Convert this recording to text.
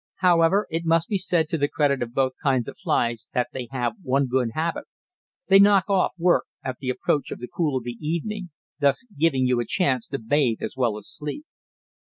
However, it must be said to the credit of both kinds of flies that they have one good habit they "knock off" work at the approach of the cool of evening, thus giving you a chance to bathe as well as sleep.